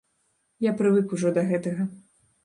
Я прывык ужо да гэтага.